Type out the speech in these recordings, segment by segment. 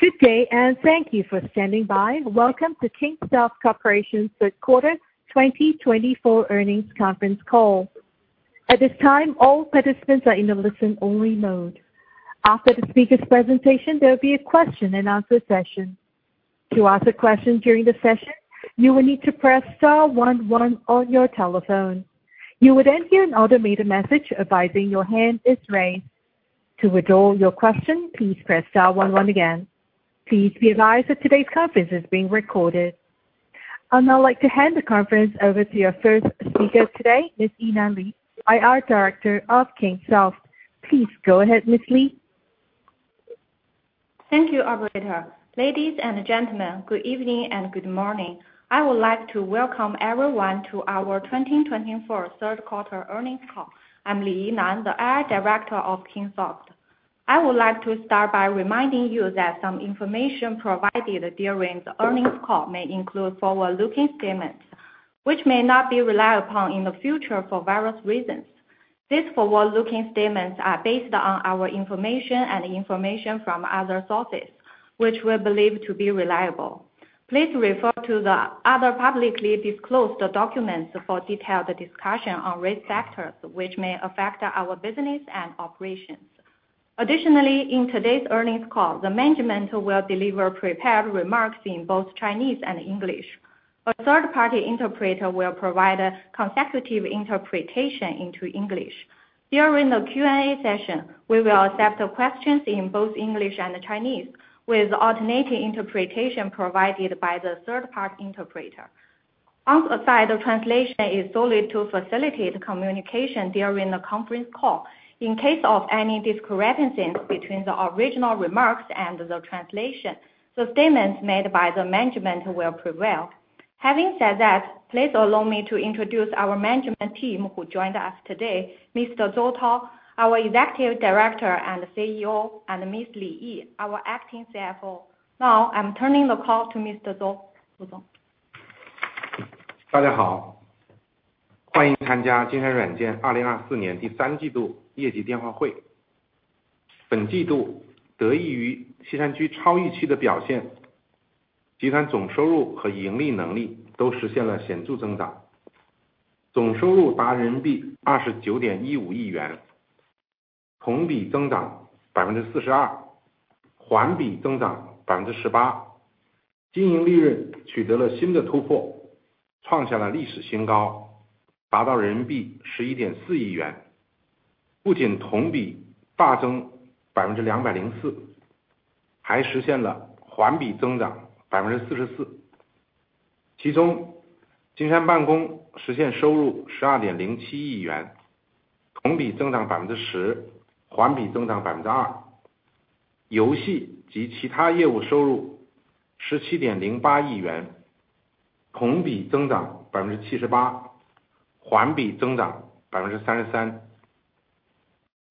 Good day, and thank you for standing by. Welcome to Kingsoft Corporation's third quarter 2024 earnings conference call. At this time, all participants are in a listen-only mode. After the speaker's presentation, there will be a question-and-answer session. To ask a question during the session, you will need to press star 11 on your telephone. You will then hear an automated message advising your hand is raised. To withdraw your question, please press star one one again. Please be advised that today's conference is being recorded. I'd now like to hand the conference over to our first speaker today, Ms. Yinan Li, IR Director of Kingsoft. Please go ahead, Ms. Li. Thank you, operator. Ladies and gentlemen, good evening and good morning. I would like to welcome everyone to our 2024 third quarter earnings call. I'm Li Yinan, the IR Director of Kingsoft. I would like to start by reminding you that some information provided during the earnings call may include forward-looking statements, which may not be relied upon in the future for various reasons. These forward-looking statements are based on our information and information from other sources, which we believe to be reliable. Please refer to the other publicly disclosed documents for detailed discussion on risk factors which may affect our business and operations. Additionally, in today's earnings call, the management will deliver prepared remarks in both Chinese and English. A third-party interpreter will provide consecutive interpretation into English. During the Q&A session, we will accept questions in both English and Chinese, with alternating interpretation provided by the third-party interpreter. That aside, the translation is solely to facilitate communication during the conference call. In case of any discrepancies between the original remarks and the translation, the statements made by the management will prevail. Having said that, please allow me to introduce our management team who joined us today: Mr. Zou Tao, our Executive Director and CEO, and Ms. Li Yi, our Acting CFO. Now, I'm turning the call to Mr. Zou.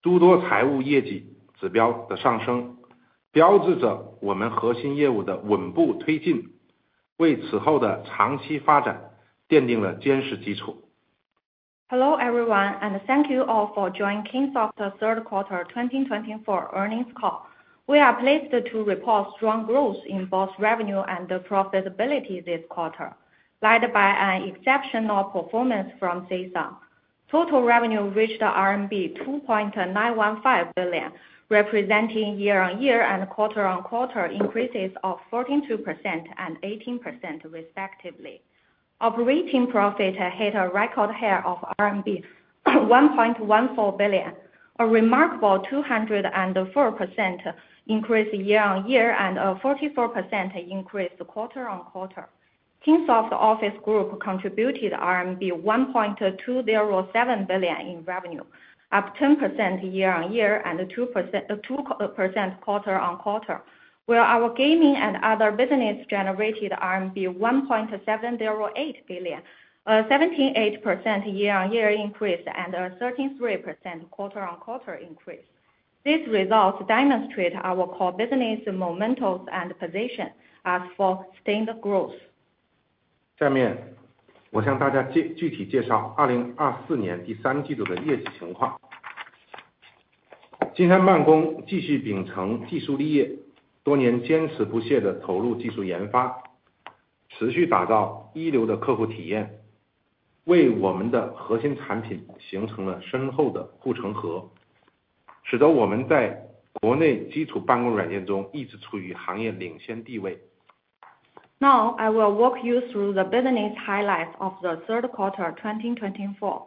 Hello everyone, and thank you all for joining Kingsoft's third quarter 2024 earnings call. We are pleased to report strong growth in both revenue and profitability this quarter, led by an exceptional performance from CSR. Total revenue reached RMB 2.915 billion, representing year-on-year and quarter-on-quarter increases of 14% and 18%, respectively. Operating profit hit a record high of 1.14 billion RMB, a remarkable 204% increase year-on-year and a 44% increase quarter-on-quarter. Kingsoft Office Group contributed RMB 1.207 billion in revenue, up 10% year-on-year and 2% quarter-on-quarter, while our gaming and other business generated RMB 1.708 billion, a 78% year-on-year increase and a 33% quarter-on-quarter increase. These results demonstrate our core business momentum and position us for sustained growth. Now, I will walk you through the business highlights of the third quarter 2024.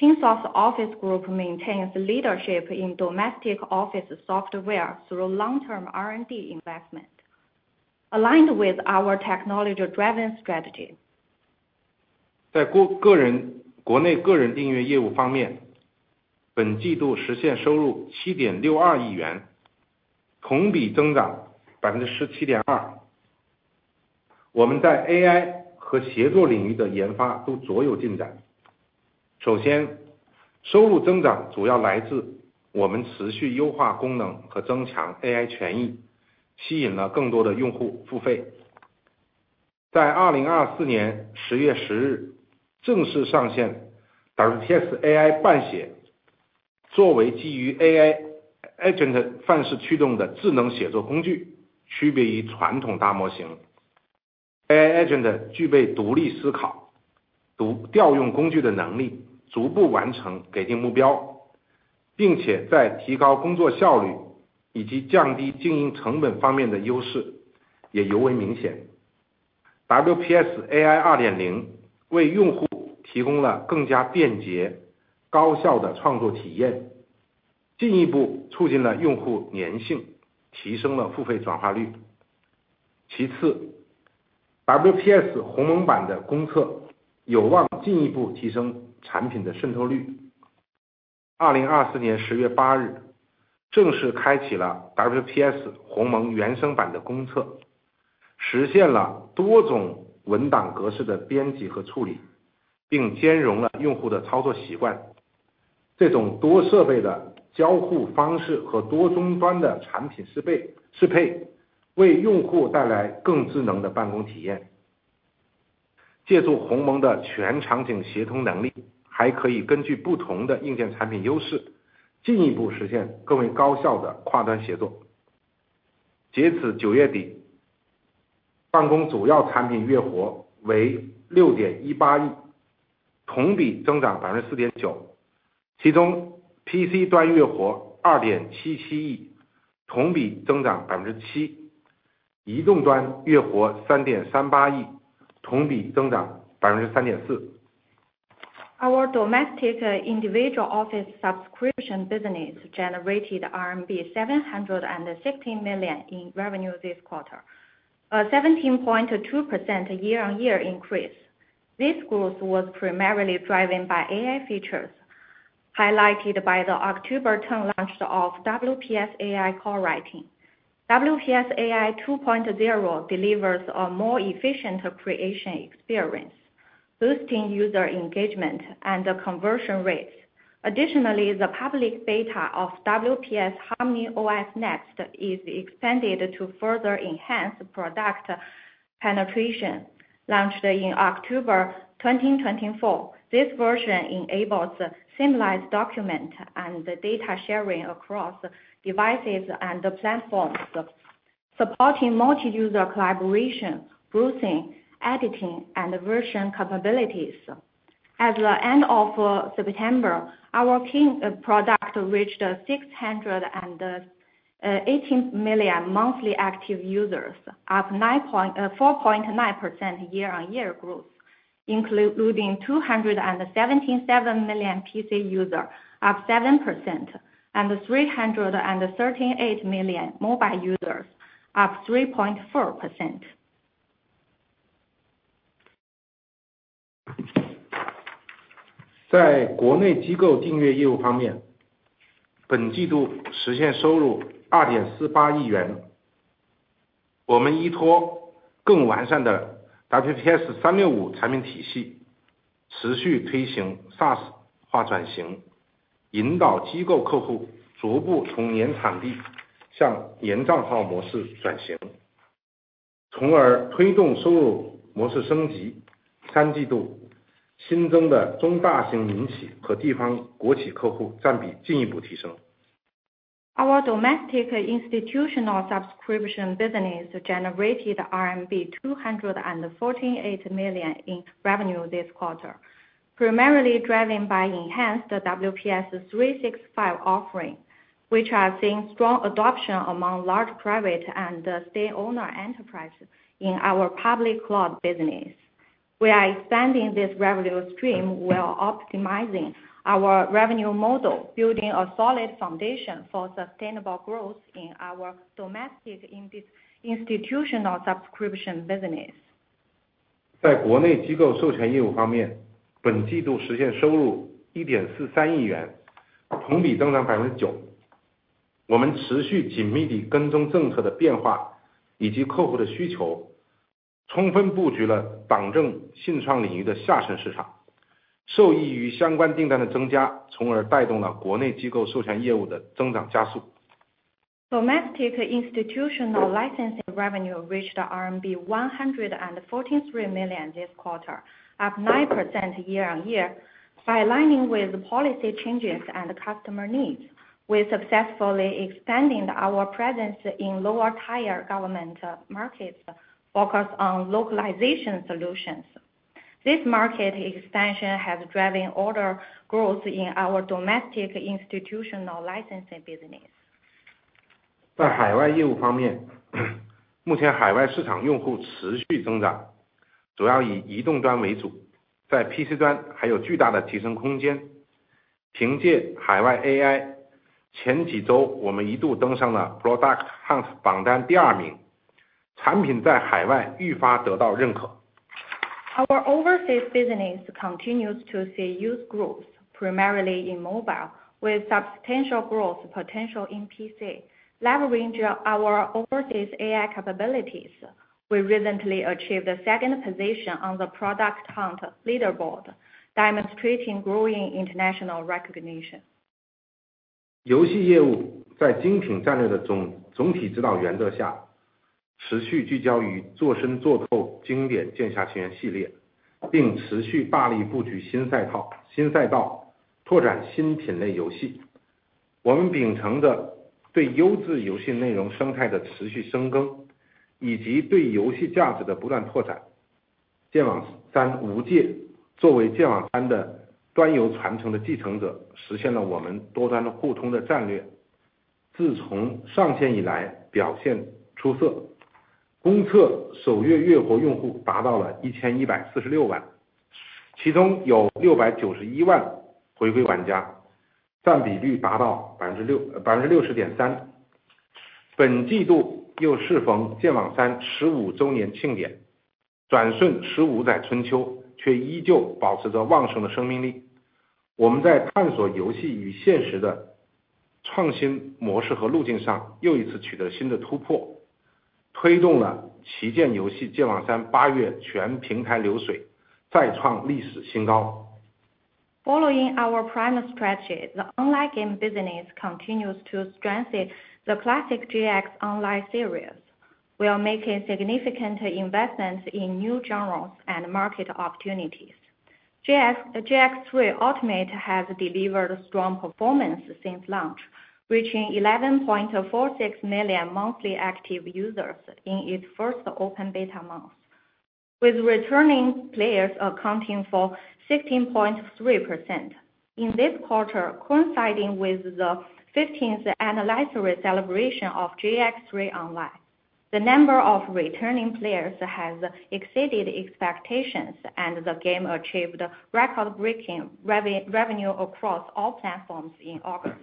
Kingsoft Office Group maintains leadership in domestic office software through long-term R&D investment, aligned with our technology-driven strategy. 在国内个人订阅业务方面，本季度实现收入7.62亿元，同比增长17.2%。我们在AI和协作领域的研发都卓有进展。首先，收入增长主要来自我们持续优化功能和增强AI权益，吸引了更多的用户付费。在2024年10月10日，正式上线WPS AI 伴写，作为基于AI Agent范式驱动的智能写作工具，区别于传统大模型。AI Agent具备独立思考、调用工具的能力，逐步完成给定目标，并且在提高工作效率以及降低经营成本方面的优势也尤为明显。WPS AI Our domestic individual office subscription business generated RMB 760 million in revenue this quarter, a 17.2% year-on-year increase. This growth was primarily driven by AI features, highlighted by the October 10 launch of WPS AI Co-writing. WPS AI 2.0 delivers a more efficient creation experience, boosting user engagement and conversion rates. Additionally, the public beta of WPS HarmonyOS Next is expanded to further enhance product penetration. Launched in October 2024, this version enables seamless document and data sharing across devices and platforms, supporting multi-user collaboration, browsing, editing, and version capabilities. At the end of September, our product reached 618 million monthly active users, up 4.9% year-on-year growth, including 277 million PC users, up 7%, and 338 million mobile users, up 3.4%. 在国内机构订阅业务方面，本季度实现收入2.48亿元。我们依托更完善的WPS 365产品体系，持续推行SaaS化转型，引导机构客户逐步从年产地向年账号模式转型，从而推动收入模式升级。三季度，新增的中大型民企和地方国企客户占比进一步提升。Our domestic institutional subscription business generated RMB 248 million in revenue this quarter, primarily driven by enhanced WPS 365 offering, which has seen strong adoption among large private and state-owned enterprises in our public cloud business. We are expanding this revenue stream while optimizing our revenue model, building a solid foundation for sustainable growth in our domestic institutional subscription business. Domestic institutional licensing revenue reached RMB 143 million this quarter, up 9% year-on-year, aligning with policy changes and customer needs, with successfully expanding our presence in lower-tier government markets focused on localization solutions. This market expansion has driven order growth in our domestic institutional licensing business. 在海外业务方面，目前海外市场用户持续增长，主要以移动端为主，在PC端还有巨大的提升空间。凭借海外AI，前几周我们一度登上了Product Hunt榜单第二名，产品在海外愈发得到认可。Our overseas business continues to see youth growth, primarily in mobile, with substantial growth potential in PC. Leveraging our overseas AI capabilities, we recently achieved second position on the Product Hunt leaderboard, demonstrating growing international recognition. Following our prime strategy, the online game business continues to strengthen the classic JX Online series. We are making significant investments in new genres and market opportunities. JX Online 3 Ultimate has delivered strong performance since launch, reaching 11.46 million monthly active users in its first open beta month, with returning players accounting for 16.3%. In this quarter, coinciding with the 15th anniversary celebration of JX Online 3, the number of returning players has exceeded expectations, and the game achieved record-breaking revenue across all platforms in August.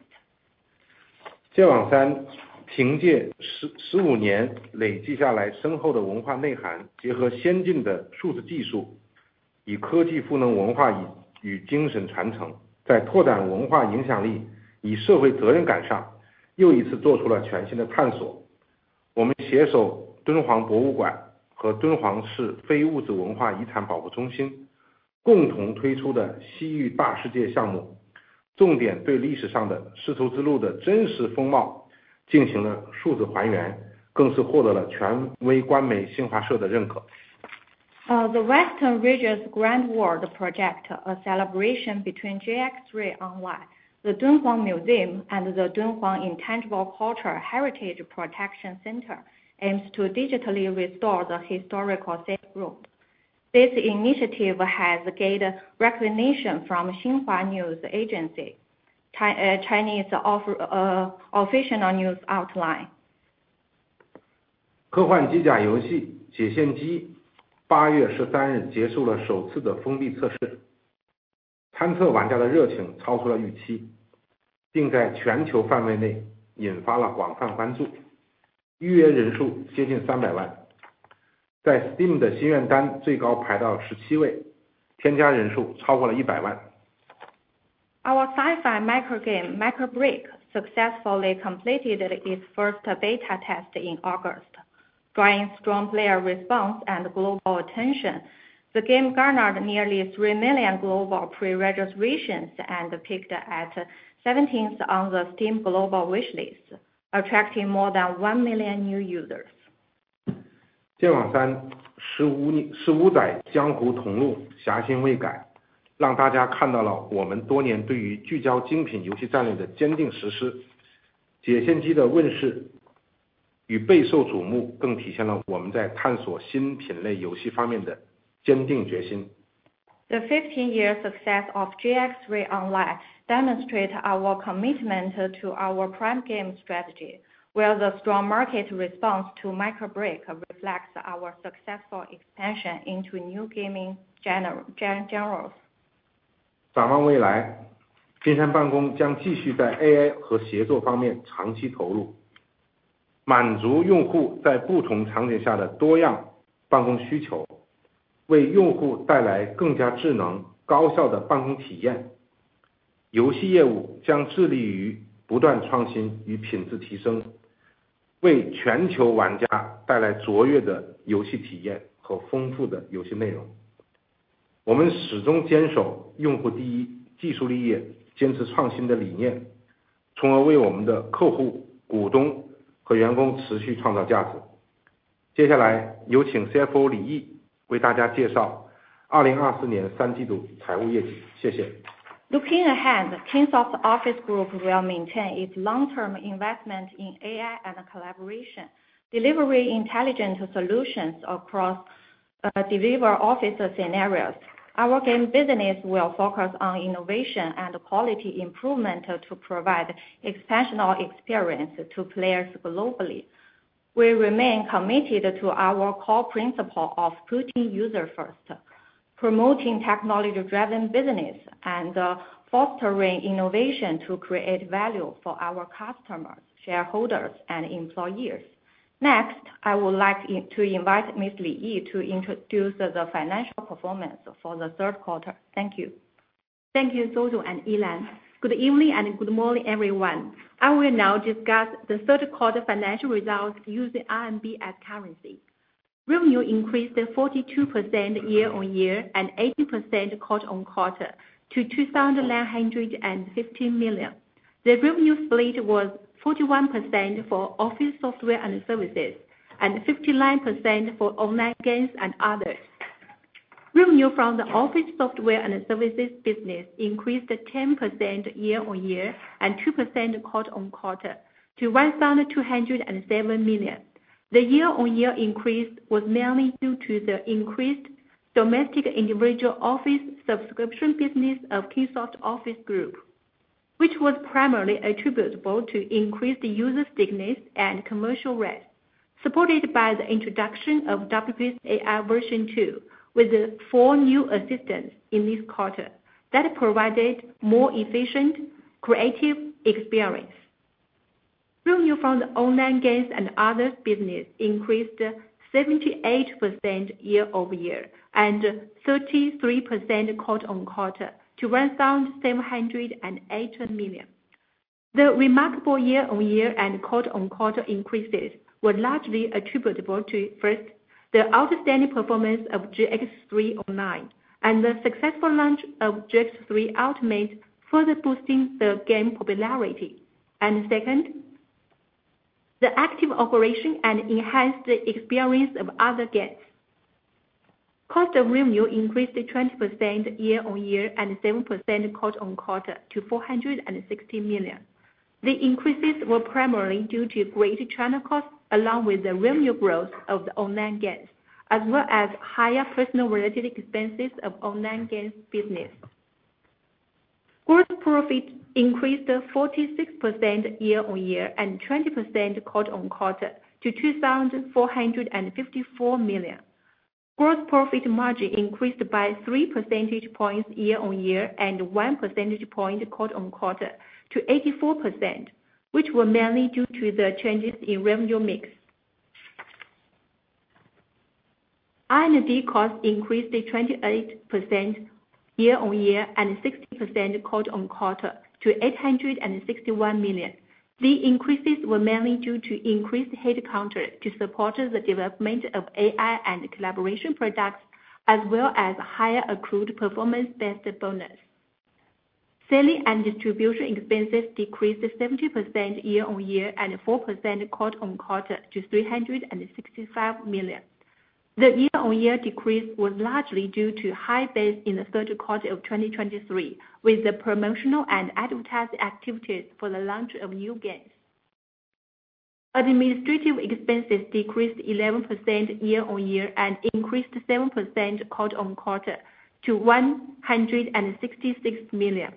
The Western Regions Grand World Project, a collaboration between JX Online 3, the Dunhuang Museum, and the Dunhuang Intangible Cultural Heritage Protection Center, aims to digitally restore the historical Silk Route. This initiative has gained recognition from Xinhua News Agency, the Chinese official news outlet. 科幻机甲游戏《铁线机》8月13日结束了首次的封闭测试，参测玩家的热情超出了预期，并在全球范围内引发了广泛关注，预约人数接近300万。在Steam的心愿单最高排到17位，添加人数超过了100万。Our sci-fi mech game "Mecha BREAK" successfully completed its first beta test in August. Drawing strong player response and global attention, the game garnered nearly three million global pre-registrations and peaked at 17th on the Steam Global Wishlist, attracting more than one million new users. 剑网三十五载江湖同路，侠心未改，让大家看到了我们多年对于聚焦精品游戏战略的坚定实施。《铁线机》的问世与备受瞩目，更体现了我们在探索新品类游戏方面的坚定决心。The 15-year success of JX Online 3 demonstrates our commitment to our prime game strategy, where the strong market response to "Mecha BREAK" reflects our successful expansion into new gaming genres. Looking ahead, Kingsoft Office Group will maintain its long-term investment in AI and collaboration, delivering intelligent solutions across delivery office scenarios. Our game business will focus on innovation and quality improvement to provide expansion of experience to players globally. We remain committed to our core principle of putting users first, promoting technology-driven business, and fostering innovation to create value for our customers, shareholders, and employees. Next, I would like to invite Ms. Li Yi to introduce the financial performance for the third quarter. Thank you. Thank you, Zou Tao and Li Yinan. Good evening and good morning, everyone. I will now discuss the third quarter financial results using RMB as currency. Revenue increased 42% year-on-year and 80% quarter-on-quarter to 2,915 million. The revenue split was 41% for office software and services and 59% for online games and others. Revenue from the office software and services business increased 10% year-on-year and 2% quarter-on-quarter to 1,207 million. The year-on-year increase was mainly due to the increased domestic individual office subscription business of Kingsoft Office Group, which was primarily attributable to increased user stickiness and commercial rest, supported by the introduction of WPS AI version 2 with four new assistants in this quarter that provided a more efficient, creative experience. Revenue from the online games and others business increased 78% year-on-year and 33% quarter-on-quarter to 1,708 million. The remarkable year-on-year and quarter-on-quarter increases were largely attributable to, first, the outstanding performance of JX Online 3 and the successful launch of JX Online 3 Ultimate, further boosting the game popularity, and second, the active operation and enhanced experience of other games. Cost of revenue increased 20% year-on-year and 7% quarter-on-quarter to 460 million. The increases were primarily due to greater channel costs along with the revenue growth of the online games, as well as higher personnel-related expenses of online games business. Gross profit increased 46% year-on-year and 20% quarter-on-quarter to 2,454 million. Gross profit margin increased by three percentage points year-on-year and one percentage point quarter-on-quarter to 84%, which were mainly due to the changes in revenue mix. R&D costs increased 28% year-on-year and 60% quarter-on-quarter to 861 million. The increases were mainly due to increased headcount to support the development of AI and collaboration products, as well as higher accrued performance-based bonus. Selling and distribution expenses decreased 70% year-on-year and 4% quarter-on-quarter to 365 million. The year-on-year decrease was largely due to high base in the third quarter of 2023, with promotional and advertising activities for the launch of new games. Administrative expenses decreased 11% year-on-year and increased 7% quarter-on-quarter to 166 million.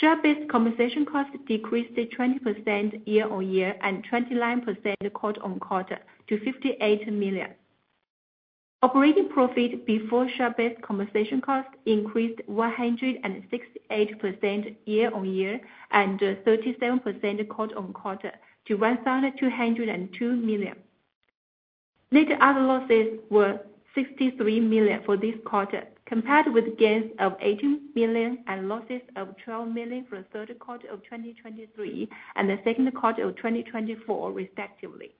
Share-based compensation costs decreased 20% year-on-year and 29% quarter-on-quarter to 58 million. Operating profit before share-based compensation costs increased 168% year-on-year and 37% quarter-on-quarter to 1,202 million. Net asset losses were 63 million for this quarter, compared with gains of 18 million and losses of 12 million for the third quarter of 2023 and the second quarter of 2024, respectively.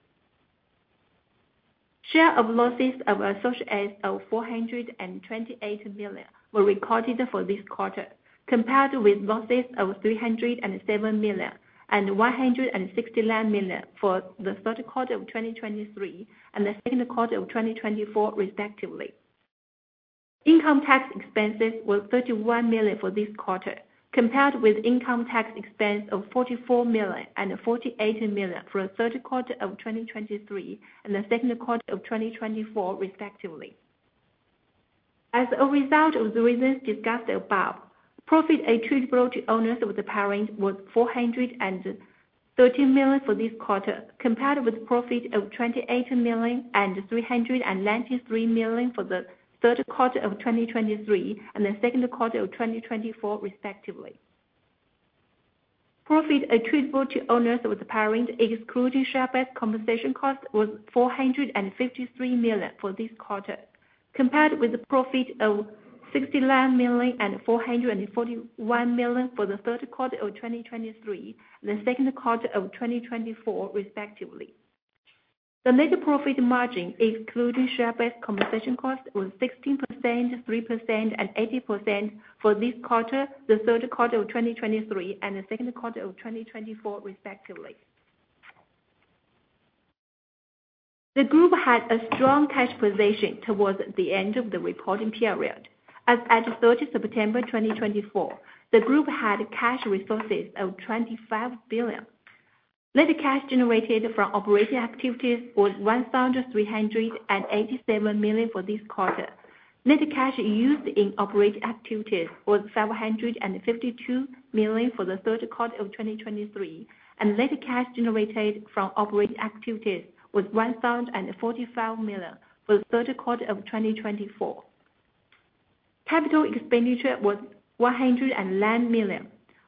Share of losses of associates of 428 million were recorded for this quarter, compared with losses of 307 million and 169 million for the third quarter of 2023 and the second quarter of 2024, respectively. Income tax expenses were 31 million for this quarter, compared with income tax expense of 44 million and 48 million for the third quarter of 2023 and the second quarter of 2024, respectively. As a result of the reasons discussed above, profit attributable to owners of the parent was 430 million for this quarter, compared with profit of 28 million and 393 million for the third quarter of 2023 and the second quarter of 2024, respectively. Profit attributable to owners of the parent, excluding share-based compensation costs, was 453 million for this quarter, compared with profit of 69 million and 441 million for the third quarter of 2023 and the second quarter of 2024, respectively. The net profit margin, excluding share-based compensation costs, was 16%, 3%, and 80% for this quarter, the third quarter of 2023, and the secondquarter of 2024, respectively. The group had a strong cash position towards the end of the reporting period. As at 30 September 2024, the group had cash resources of 25 billion. Net cash generated from operating activities was 1,387 million for this quarter. Net cash used in operating activities was 552 million for the third quarter of 2023, and net cash generated from operating activities was 1,045 million for the third quarter of 2024. Capital expenditure was 109 million,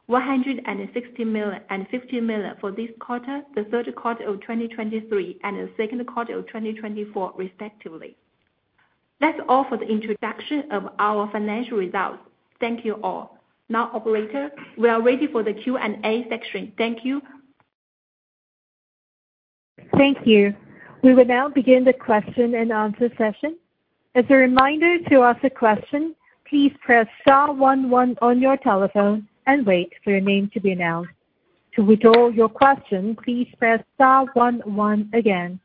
160 million, and 50 million for this quarter, the third quarter of 2023, and the second quarter of 2024, respectively. That's all for the introduction of our financial results. Thank you all. Now, operator, we are ready for the Q&A section. Thank you. Thank you. We will now begin the question and answer session. As a reminder to ask a question, please press star 11 on your telephone and wait for your name to be announced. To withdraw your question, please press star 11 again.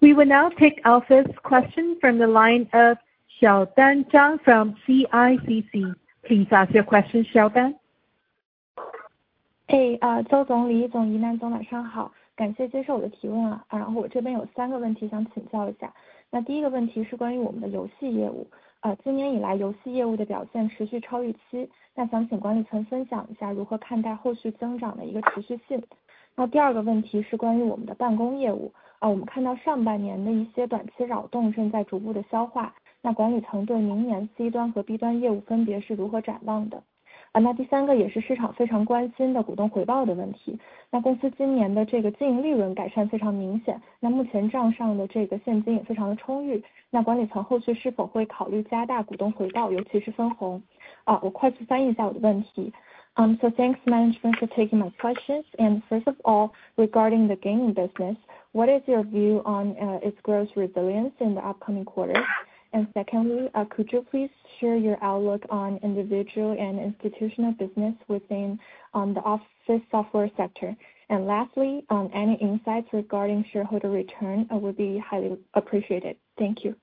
We will now take our first question from the line of Xiaodan Zhang from CICC. Please ask your question, Xiaodan. So, thanks, management, for taking my questions. And first of all, regarding the gaming business, what is your view on its growth resilience in the upcoming quarter? And secondly, could you please share your outlook on individual and institutional business within the office software sector? And lastly, any insights regarding shareholder return would be highly appreciated. Thank you.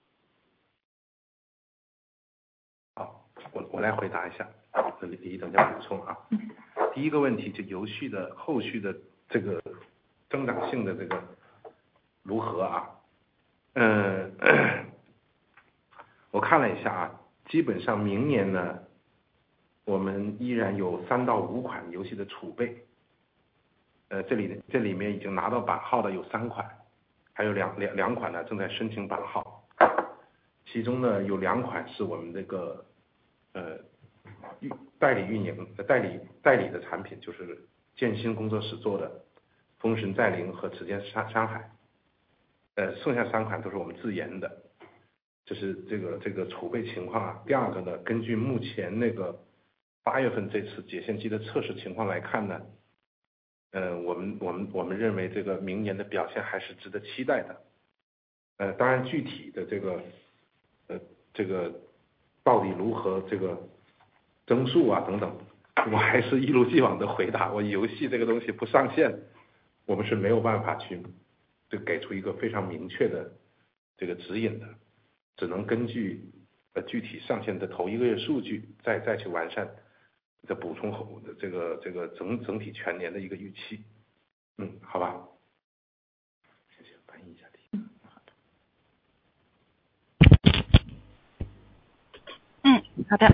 Okay,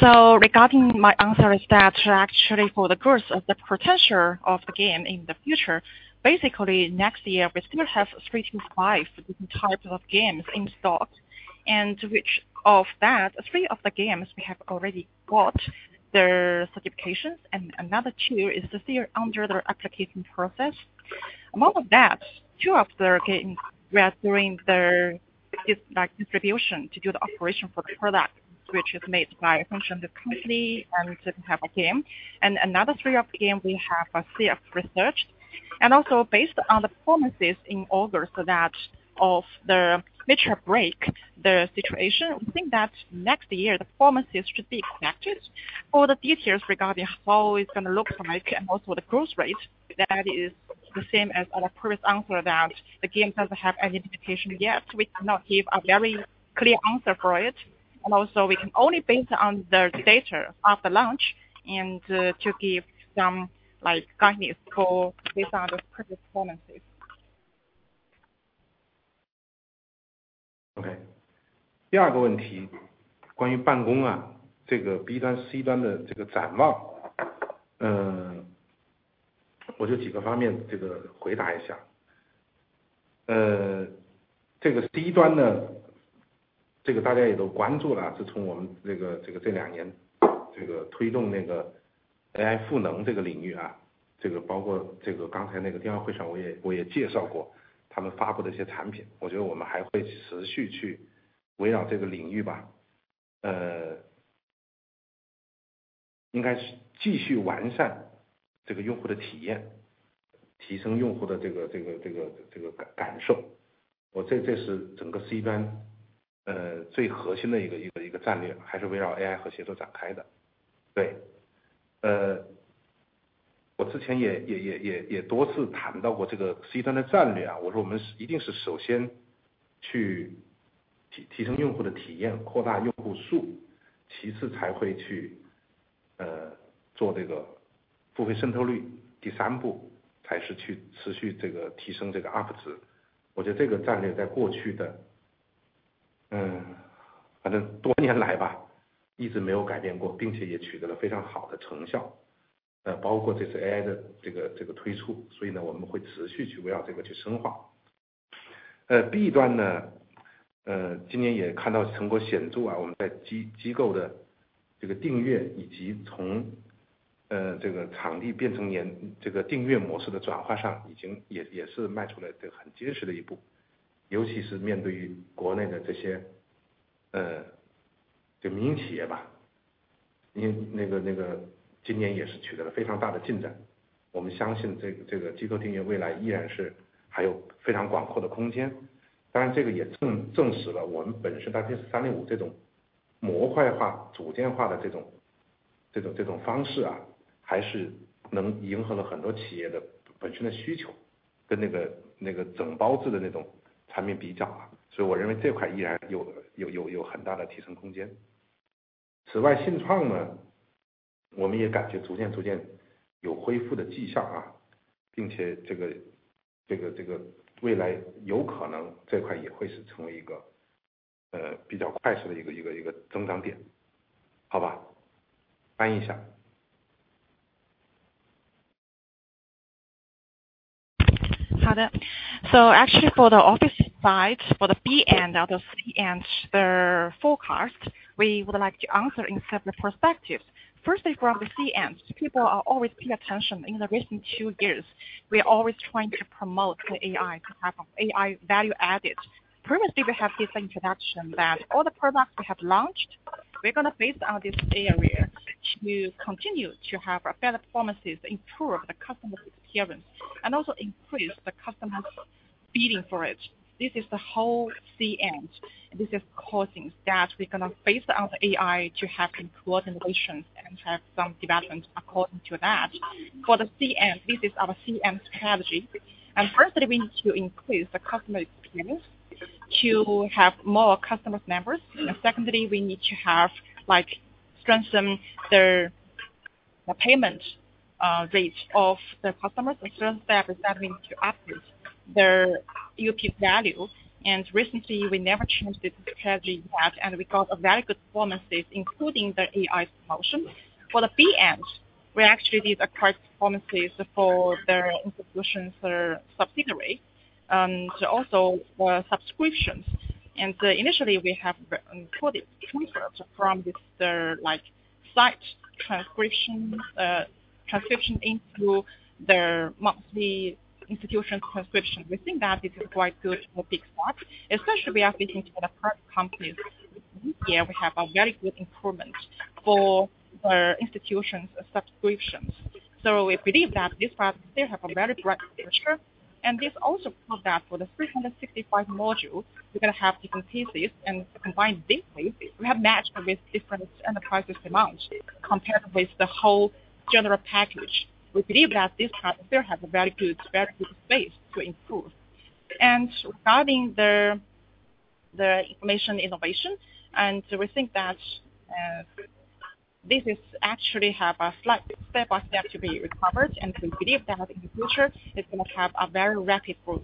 so regarding my answer is that actually for the growth of the potential of the game in the future, basically next year we still have three to five different types of games in stock, and which of that three of the games we have already got their certifications and another two is still under their application process. Among that, two of their games we are doing their distribution to do the operation for the product, which is made by a function of the company and have a game, and another three of the game we have a sea of research. And also based on the performances in August that of the Mecha BREAK, the situation, we think that next year the performances should be expected for the details regarding how it's going to look like and also the growth rate. That is the same as our previous answer, that the game doesn't have any limitation yet. We cannot give a very clear answer for it, and also we can only base it on the data after launch and to give some like guidance for based on the performances. Okay，第二个问题关于办公啊，这个B端C端的这个展望，嗯，我就几个方面这个回答一下。嗯，这个C端呢，这个大家也都关注了，自从我们这个这个这两年这个推动那个AI赋能这个领域啊，这个包括这个刚才那个电话会上我也我也介绍过他们发布的一些产品，我觉得我们还会持续去围绕这个领域吧。呃，应该是继续完善这个用户的体验，提升用户的这个这个这个这个感受。我这这是整个C端呃最核心的一个一个一个战略，还是围绕AI和协作展开的。对，呃，我之前也也也也也多次谈到过这个C端的战略啊，我说我们一定是首先去提提升用户的体验，扩大用户数，其次才会去呃做这个付费渗透率，第三步才是去持续这个提升这个up值。我觉得这个战略在过去的嗯，反正多年来吧，一直没有改变过，并且也取得了非常好的成效，呃，包括这次AI的这个这个推出。所以呢，我们会持续去围绕这个去深化。呃，B端呢，呃，今年也看到成果显著啊，我们在机机构的这个订阅以及从呃这个场地变成年这个订阅模式的转化上已经也也是迈出了这很坚实的一步，尤其是面对于国内的这些呃这个民营企业吧，因为那个那个今年也是取得了非常大的进展。我们相信这个这个机构订阅未来依然是还有非常广阔的空间，当然这个也证证实了我们本身大天使305这种模块化组件化的这种这种这种方式啊，还是能迎合了很多企业的本身的需求，跟那个那个整包子的那种产品比较啊。所以我认为这块依然有有有有很大的提升空间。此外，信创呢，我们也感觉逐渐逐渐有恢复的迹象啊，并且这个这个这个未来有可能这块也会是成为一个呃比较快速的一个一个一个增长点。好吧，翻译一下。Okay, so actually for the office side, for the B and the C and the four quarters, we would like to answer in several perspectives. Firstly, from the C end, people are always pay attention in the recent two years. We are always trying to promote the AI to have AI value added. Previously, we have this introduction that all the products we have launched, we're going to base on this area to continue to have better performances, improve the customer experience, and also increase the customer's feeling for it. This is the whole C end. This is causing that we're going to base on the AI to have improved innovations and have some developments according to that. For the C end, this is our C end strategy. And firstly, we need to increase the customer experience to have more customer members. And secondly, we need to have like strengthen their payment rate of the customers. Third step is that we need to upgrade their ARPU value. And recently, we never changed this strategy yet, and we got very good performances, including the AI promotion. For the B-side, we actually did acquired performances for the institutions or subsidiaries, and also for subscriptions. And initially, we have transferred from this their like SaaS subscription into their monthly institutional subscription. We think that this is quite good for big start, especially we are facing the current companies. This year, we have a very good improvement for the institutions subscriptions. So we believe that this product still has a very bright future. And this also proved that for the 365 modules, we're going to have different pieces and combine differently. We have matched with different enterprises amounts compared with the whole general package. We believe that this product still has a very good, very good space to improve. Regarding the Information Innovation, we think that this is actually have a slight step by step to be recovered, and we believe that in the future it's going to have a very rapid growth.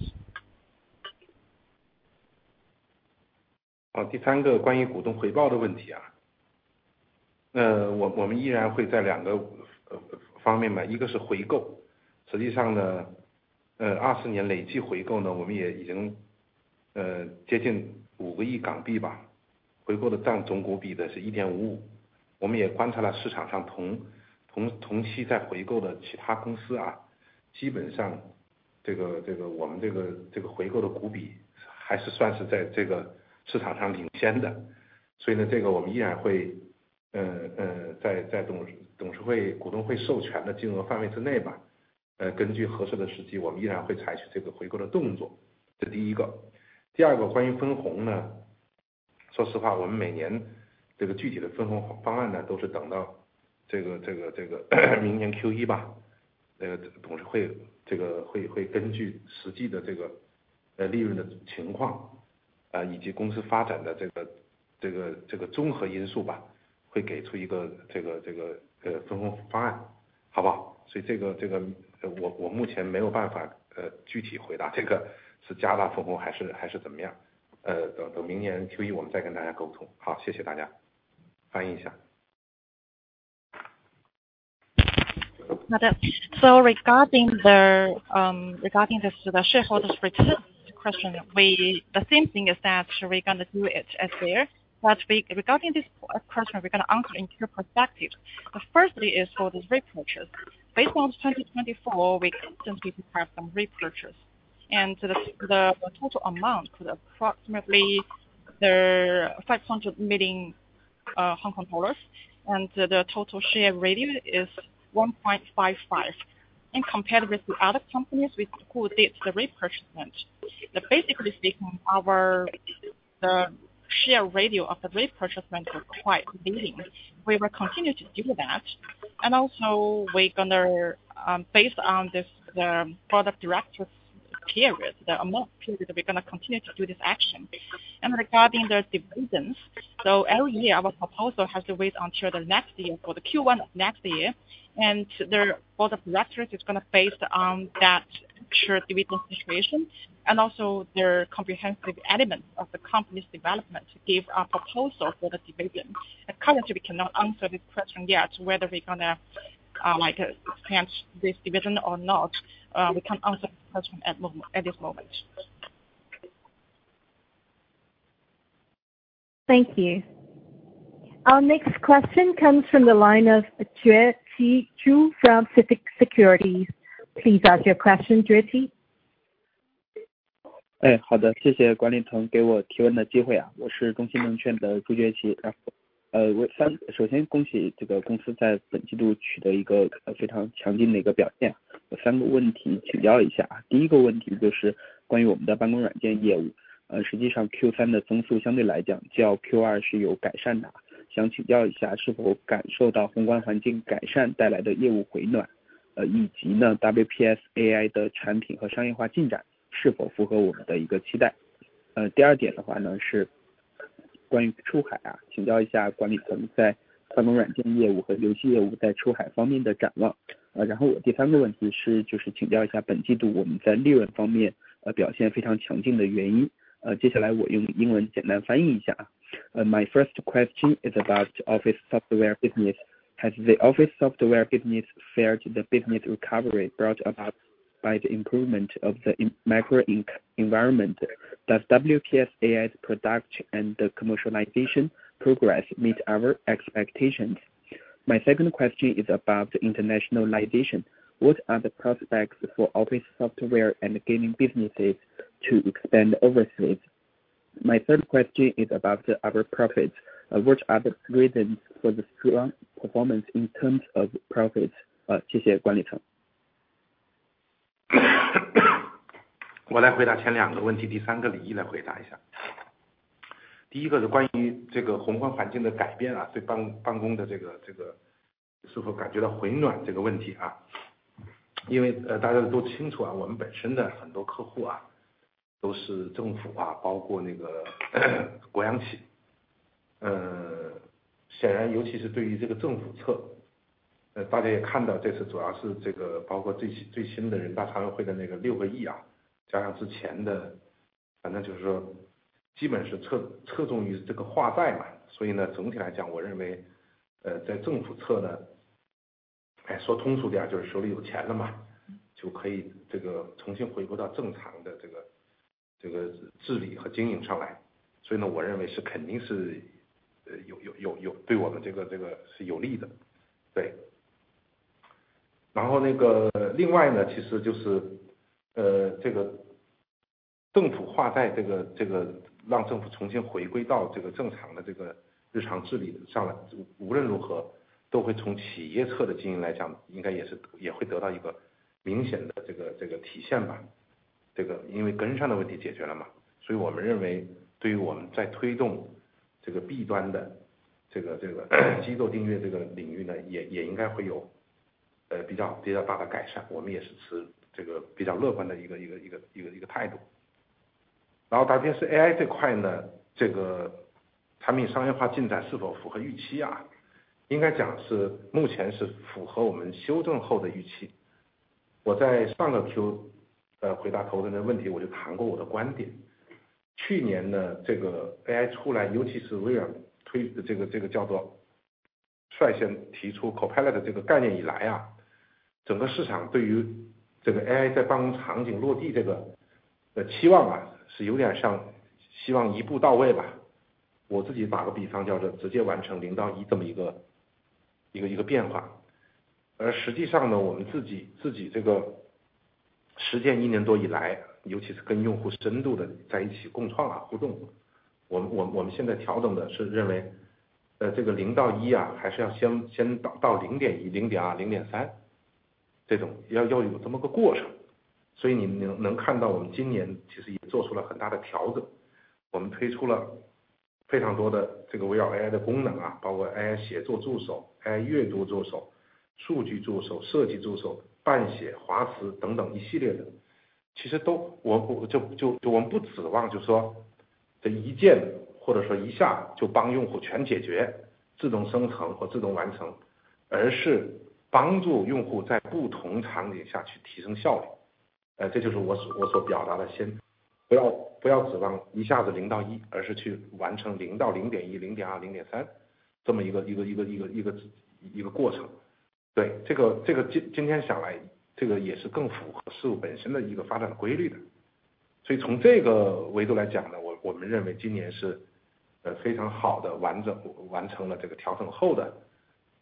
Okay, so regarding this shareholders return, the question is the same thing, that we're going to do it as there, but regarding this question, we're going to answer from your perspective. First, for the repurchase. Based on 2024, we have some repurchase, and the total amount is approximately 500 million Hong Kong, and the total share value is 1.55. In comparison with the other companies who did the repurchase, basically speaking, our share value of the repurchase was quite leading. We will continue to do that, and also we're going to, based on this, the profit distribution period, the mandate period, continue to do this action. Regarding the dividends, so every year our proposal has to wait until the next year for the Q1 of next year, and the Board of Directors is going to base on that share dividend situation and also the comprehensive elements of the company's development to give a proposal for the dividend. Currently, we cannot answer this question yet whether we're going to like expand this dividend or not. We can't answer this question at this moment. Thank you. Our next question comes from the line of Jueqi Zhu from CITIC Securities. Please ask your question, Jueqi. Securities的Zhu AI的产品和商业化进展是否符合我们的一个期待。第二点的话呢，是关于出海啊，请教一下管理层在办公软件业务和游戏业务在出海方面的展望。然后我第三个问题是就是请教一下本季度我们在利润方面表现非常强劲的原因。接下来我用英文简单翻译一下啊。My first question is about office software business. Has the office software business felt the business recovery brought about by the improvement of the macroeconomic environment? Does WPS AI's product and the commercialization progress meet our expectations? My second question is about internationalization. What are the prospects for office software and gaming businesses to expand overseas? My third question is about our profits. What are the reasons for the strong performance in terms of profits? million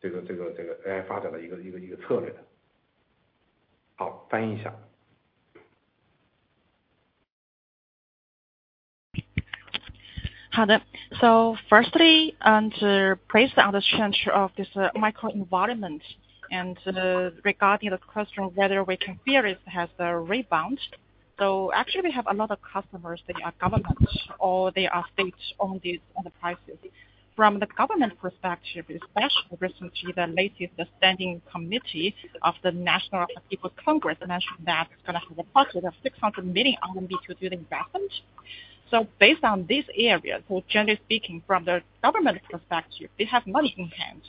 Okay, firstly, to provide the understanding of this macro environment and regarding the question whether we can foresee that it has the rebound. Actually, we have a lot of customers that are government or they are state-owned enterprises. From the government perspective, especially recently, the latest standing committee of the National People's Congress mentioned that it's going to have a budget of 600 million RMB to do the investment. Based on this area, generally speaking from the government perspective, they have money in hand,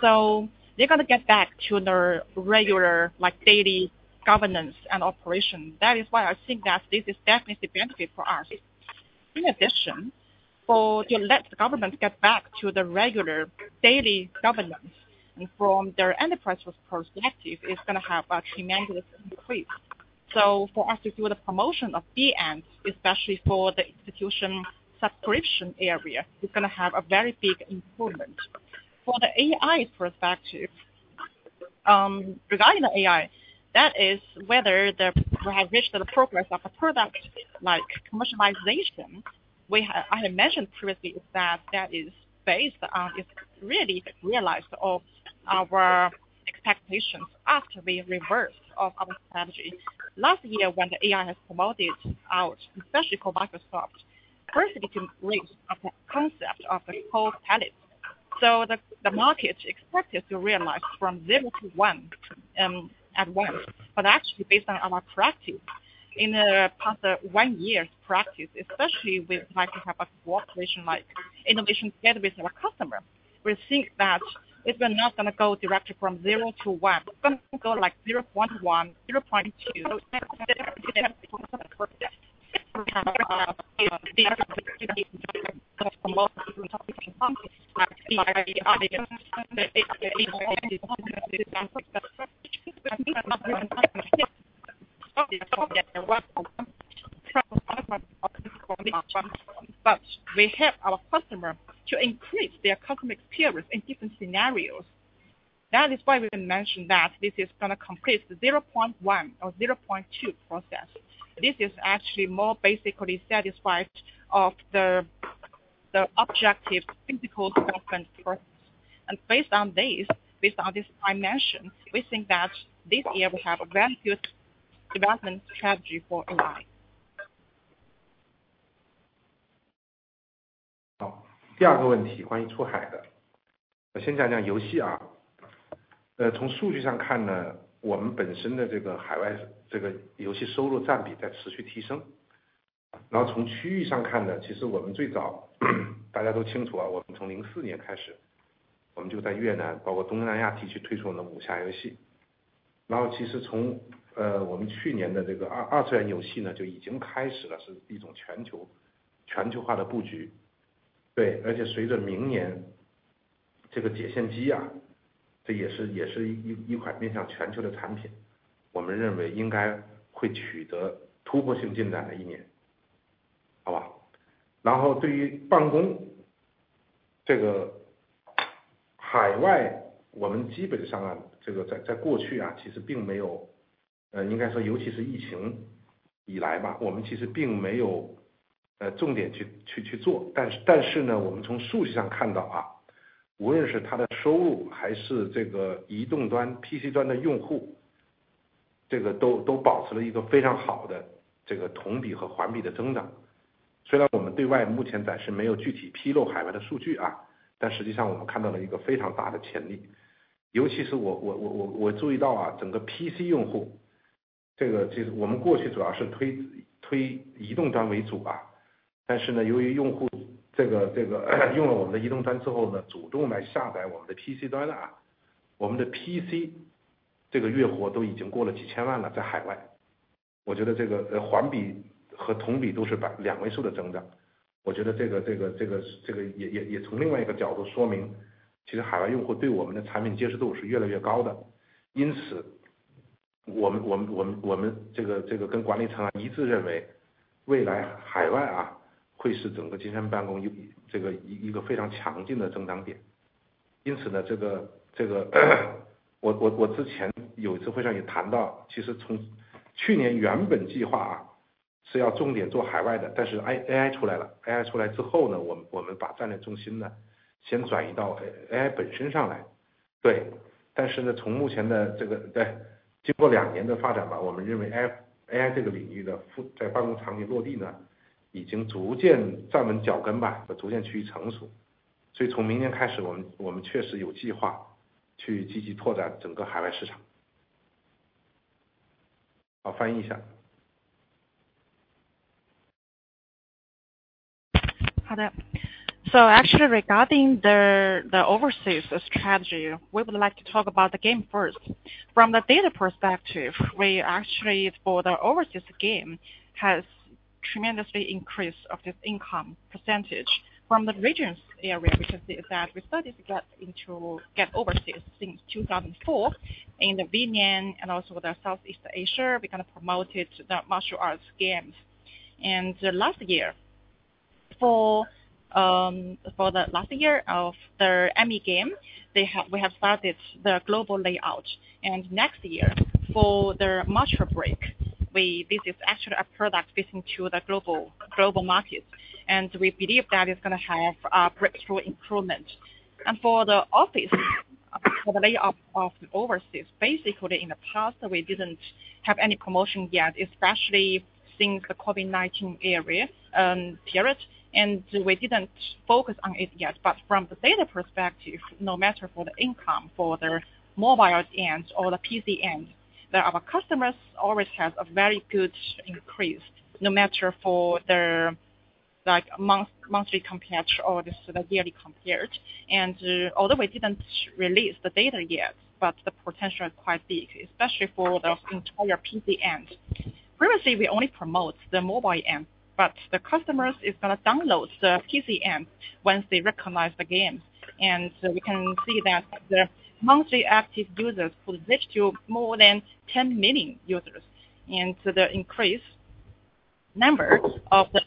so they're going to get back to their regular like daily governance and operation. That is why I think that this is definitely the benefit for us. In addition, to let the government get back to the regular daily governance and from their enterprise perspective, it's going to have a tremendous increase. So for us to do the promotion of B-end, especially for the institutional subscription area, it's going to have a very big improvement. For the AI perspective, regarding the AI, that is whether we have reached the progress of a product like commercialization. As I had mentioned previously, that is based on really realized our expectations after we reversed our strategy. Last year when the AI was promoted out, especially for Microsoft, first we can raise the concept of Copilot. So the market expected to realize from zero to one at once, but actually based on our practice in the past one year, especially we'd like to have a cooperation like innovation together with our customer. We think that it's not going to go directly from zero to one, it's going to go like 0.1, 0.2. But we help our customer to increase their customer experience in different scenarios. That is why we mentioned that this is going to complete the 0.1 or 0.2 process. This is actually more basically satisfied of the objective physical development process, and based on this, based on this dimension, we think that this year we have a very good development strategy for AI. 好，第二个问题关于出海的，我先讲讲游戏啊。从数据上看呢，我们本身的这个海外游戏收入占比在持续提升。然后从区域上看呢，其实我们最早大家都清楚啊，我们从2004年开始，我们就在越南，包括东南亚地区推出了剑侠游戏。然后其实从我们去年的这个二次元游戏呢，就已经开始了，是一种全球化的布局。对，而且随着明年这个机甲突破啊，这也是一款面向全球的产品，我们认为应该会取得突破性进展的一年。好吧，然后对于办公这个海外，我们基本上啊，这个在过去啊，其实并没有应该说尤其是疫情以来吧，我们其实并没有重点去做。但是呢，我们从数据上看到啊，无论是它的收入还是这个移动端PC端用户，这个都保持了一个非常好的同比和环比的增长。虽然我们对外目前暂时没有具体披露海外的数据啊，但实际上我们看到了一个非常大的潜力，尤其是我注意到啊，整个PC用户这个其实我们过去主要是推移动端为主啊，但是呢由于用户用了我们的移动端之后呢，主动来下载我们的PC端啊，我们的PC这个月活都已经过了几千万了。在海外，我觉得这个环比和同比都是两位数的增长。我觉得这个也从另外一个角度说明，其实海外用户对我们的产品接受度是越来越高的。因此我们这个跟管理层一致认为，未来海外会是整个金山办公的一个非常强劲的增长点。因此呢我之前有一次会上也谈到，其实从去年原本计划是要重点做海外的，但是AI出来了，AI出来之后呢，我们把战略重心先转移到AI本身上来。对，但是呢从目前的经过两年的发展吧，我们认为AI这个领域在办公场景落地呢，已经逐渐站稳脚跟吧，逐渐趋于成熟。所以从明年开始，我们确实有计划去积极拓展整个海外市场。好，翻译一下。Okay, so actually regarding the overseas strategy, we would like to talk about the game first. From the data perspective, we actually for the overseas game has tremendously increased of this income percentage from the regional area because it's that we started to get into overseas since 2004 in the VN and also the Southeast Asia. We kind of promoted the martial arts games. And last year for the Mecha game, we have started the global layout. And next year for the Mecha BREAK, this is actually a product fitting to the global market. And we believe that it's going to have a breakthrough improvement. And for the office layout of the overseas, basically in the past we didn't have any promotion yet, especially since the COVID-19 era. And we didn't focus on it yet. But from the data perspective, no matter for the income for the mobile end or the PC end, that our customers always has a very good increase no matter for their like month monthly compared or this the yearly compared. And although we didn't release the data yet, but the potential is quite big, especially for the entire PC end. Previously we only promote the mobile end, but the customers is going to download the PC end once they recognize the game. And we can see that the monthly active users could reach to more than 10 million users. And the increase number of the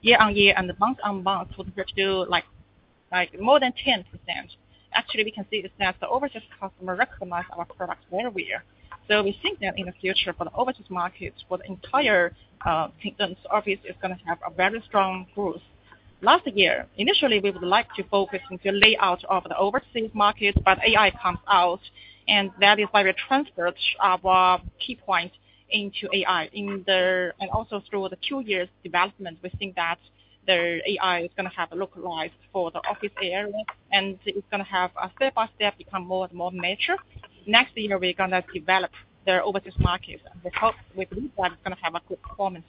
year on year and the month on month could reach to like like more than 10%. Actually we can see is that the overseas customer recognize our product very well. So we think that in the future for the overseas market, for the entire Kingsoft Office is going to have a very strong growth. Last year initially we would like to focus into the layout of the overseas market, but AI comes out and that is why we transferred our key point into AI in the end and also through the two years development. We think that the AI is going to have a localization for the office area and it's going to have a step by step become more and more mature. Next year we're going to develop the overseas market and we hope, we believe that it's going to have a good performance.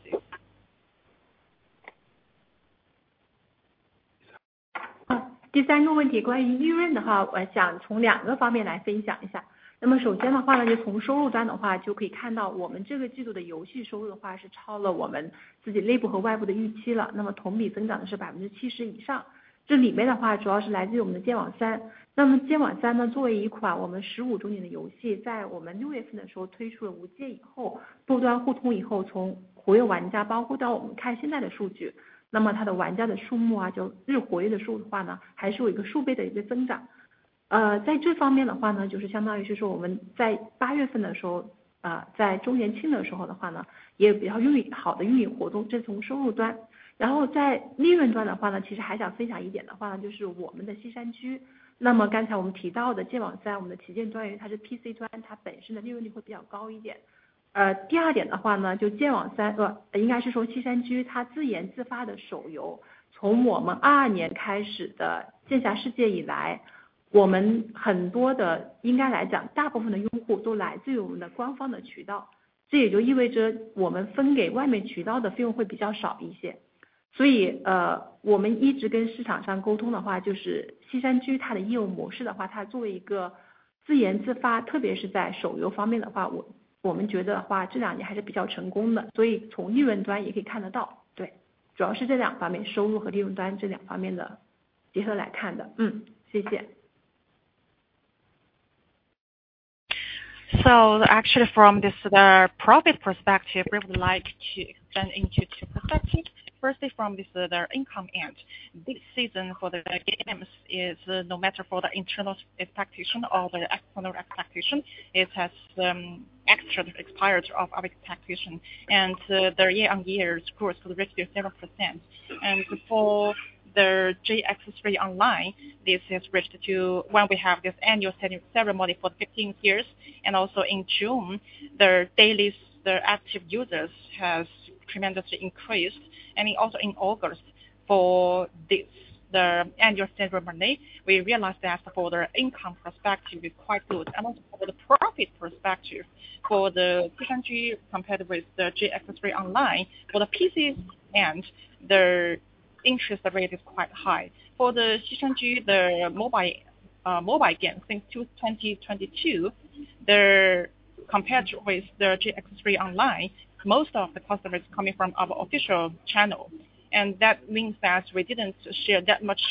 Actually from the profit perspective, we would like to expand into two perspectives. Firstly, from the income end, this season for the games is no matter for the internal expectation or the external expectation, it has exceeded our expectation and the year-on-year growth could reach to 7%. And for the JX Online 3, this has reached to when we have this annual ceremony for 15 years and also in June the daily active users has tremendously increased. And also in August for the annual ceremony, we realized that for the income perspective it's quite good. And also for the profit perspective for the CJ compared with the JX Online 3, for the PC end the interest rate is quite high. For the JX, the mobile game since 2022, they're compared with the JX Online 3. Most of the customers coming from our official channel. And that means that we didn't share that much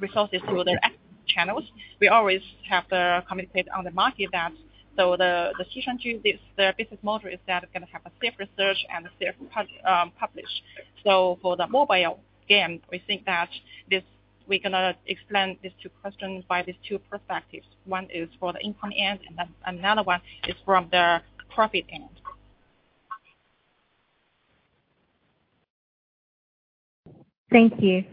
resources through their channels. We always have to communicate on the market that so the JX, this the business model is that it's going to have a self research and a self publish. So for the mobile game, we think that this we're going to explain these two questions by these two perspectives. One is for the income end and then another one is from the profit end. Thank you.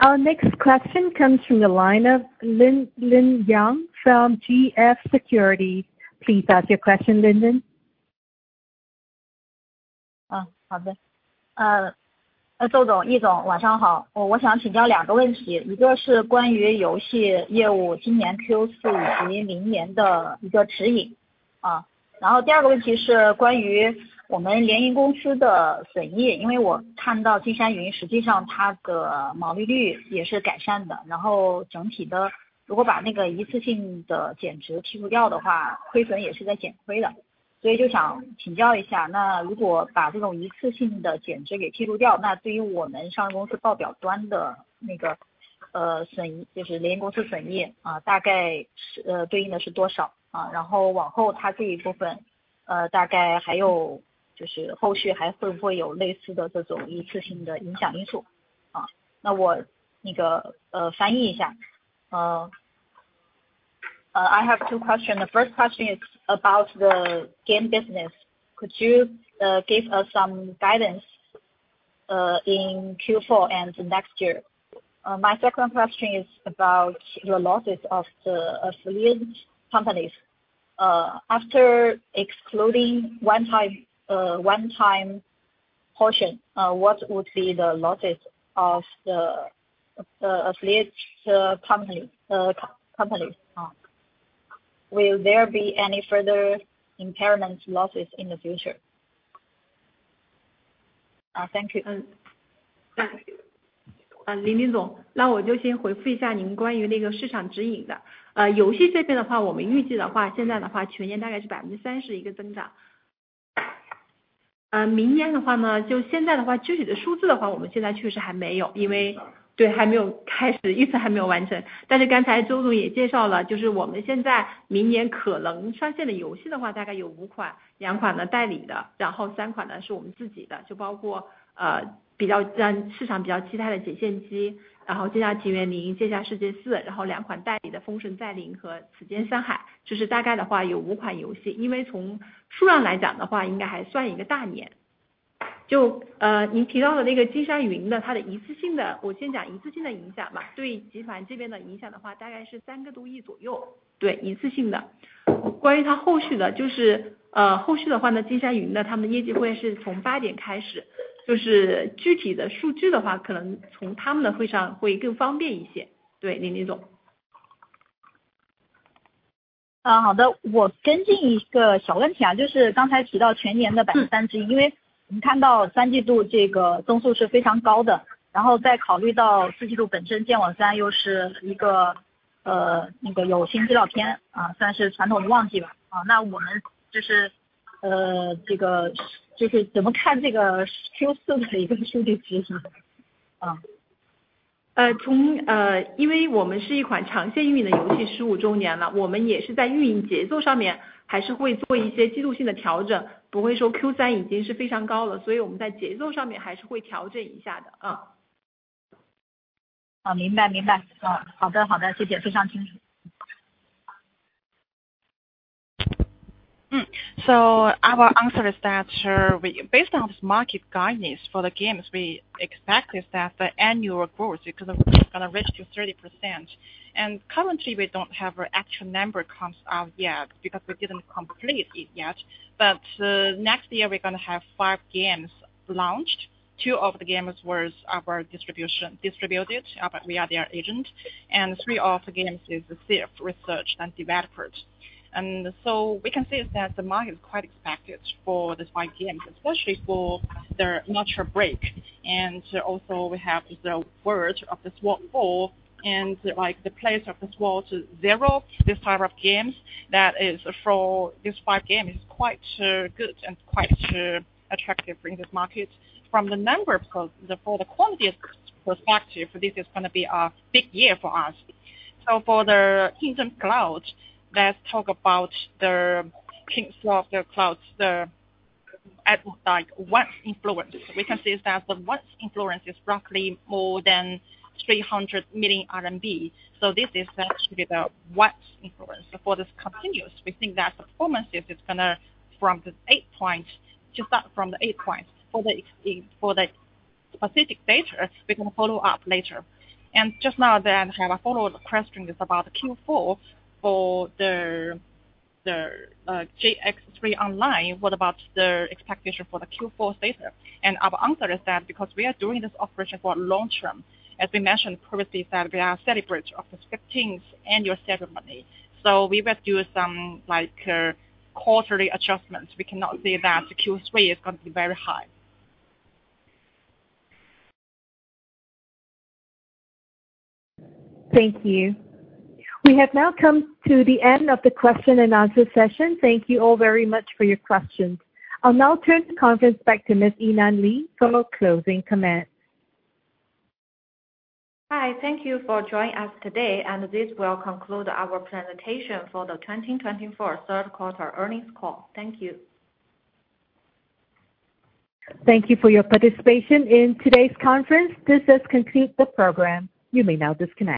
Our next question comes from the line of Linlin Yang from GF Securities. Please ask your question, Linlin. I have two questions. The first question is about the game business. Could you give us some guidance in Q4 and next year? My second question is about the losses of the affiliate companies. After excluding one-time portion, what would be the losses of the affiliate companies? Will there be any further impairment losses in the future? Thank you. Break，然后剑侠情缘零，剑侠世界四，然后两款代理的封神再临和Zhijian Shanhai，就是大概有五款游戏。因为从数量来讲，应该还算一个大年。就您提到的那个金山云的一次性的，我先讲一次性的影响吧，对集团这边的影响，大概是三个多亿左右，一次性的。关于它后续的，后续的话呢，金山云的他们业绩会是从谷底开始，就是具体的数据，可能从他们的会上会更方便一些，对林林总。So our answer is that we based on this market guidance for the games we expect is that the annual growth is going to reach to 30% and currently we don't have an actual number comes out yet because we didn't complete it yet but next year we're going to have five games launched two of the games was our distribution distributed but we are their agent and three of the games is self-researched and developed.and so we can see is that the market is quite expected for the five games especially for Mecha Break and also we have the JX World 4 and like the JX Online 3 Ultimate this type of games that is for these five games is quite good and quite attractive in this market from the number for the quantity perspective this is going to be a big year for us so For the Kingsoft Cloud let's talk about the Kingsoft Cloud the like what impairment we can see is that the impairment is roughly more than 300 million RMB so this is actually the impairment for this quarter we think that the performance is going to from the 80 points to start from the 80 points for the specific data we're going to follow up later and now I have a follow-up question is about Q4 for the JX Online 3 what about the expectation for the Q4 data and our answer is that because we are doing this operation for a long term as we mentioned previously that we are celebrating the 15th annual ceremony so we will do some like quarterly adjustments we cannot say that Q3 is going to be very high. Thank you. We have now come to the end of the question and answer session. Thank you all very much for your questions. I'll now turn the conference back to Ms. Yinan Li for closing comments. Hi, thank you for joining us today and this will conclude our presentation for the 2024 third quarter earnings call. Thank you. Thank you for your participation in today's conference. This has concluded the program. You may now disconnect.